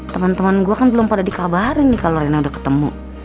teman teman gue kan belum pada dikabarin nih kalau rena udah ketemu